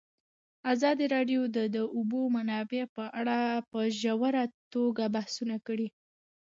ازادي راډیو د د اوبو منابع په اړه په ژوره توګه بحثونه کړي.